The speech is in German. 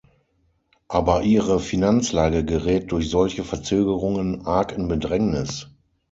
Aber ihre Finanzlage gerät durch solche Verzögerungen arg in Bedrängnis.